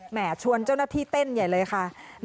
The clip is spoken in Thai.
ชวนเจ้าหน้าที่เต้นใหญ่เลยค่ะ